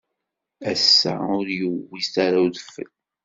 Ass-a ur yuwit ara udfel.